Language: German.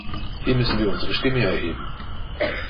Hier müssen wir unsere Stimme erheben!